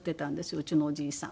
うちのおじいさん。